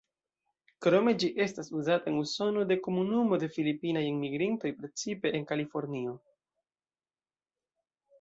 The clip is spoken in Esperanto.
Krome ĝi estas uzata en Usono de komunumo de filipinaj enmigrintoj, precipe en Kalifornio.